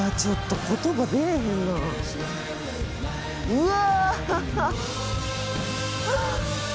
うわ！